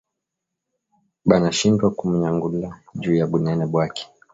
Bana shindwa kumunyangula juya bunene bwake